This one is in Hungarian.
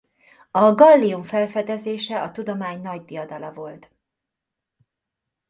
A gallium felfedezése a tudomány nagy diadala volt.